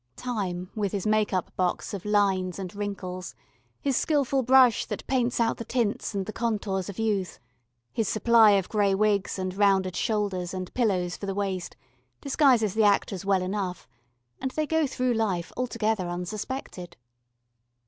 Time with his make up box of lines and wrinkles, his skilful brush that paints out the tints and the contours of youth, his supply of grey wigs and rounded shoulders and pillows for the waist, disguises the actors well enough, and they go through life altogether unsuspected.